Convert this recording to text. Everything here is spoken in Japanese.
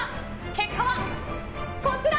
結果はこちら！